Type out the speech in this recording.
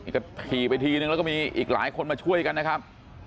ก็ขี่ไปทีนึงแล้วก็มีอีกหลายคนมาช่วยกันนะครับ